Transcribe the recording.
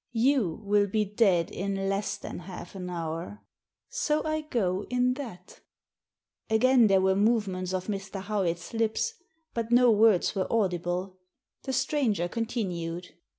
You will be dead in less than half an hour — so I go in that" Again there were movements of Mr. Howitfs lips. But no words were audible. The stranger continued.